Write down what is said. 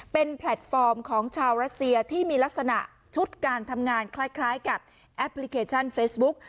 เป็นแพลตฟอร์มของชาวรัสเซียที่มีลักษณะชุดการทำงานคล้ายกับแอปพลิเคชันเฟซบุ๊ก